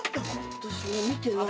私も見てない。